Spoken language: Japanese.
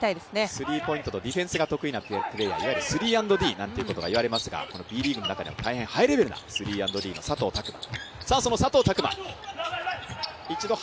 スリーポイントとディフェンスが得意なプレーヤー、いわゆる３＆Ｄなんてことがいわれますが、Ｂリーグの中でも大変ハイレベルな３＆Ｄの佐藤卓磨。